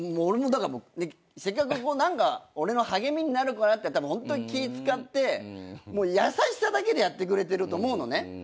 せっかく俺の励みになるかなってホントに気使ってもう優しさだけでやってくれてると思うのね。